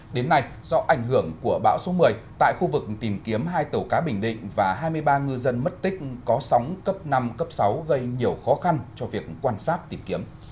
đến nay do ảnh hưởng của bão số một mươi tại khu vực tìm kiếm hai tàu cá bình định và hai mươi ba ngư dân mất tích có sóng cấp năm cấp sáu gây nhiều khó khăn cho việc quan sát tìm kiếm